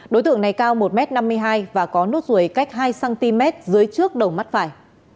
đối tượng này cao một m năm mươi hai và có nốt ruồi cách hai cm dưới trước đầu mắt phải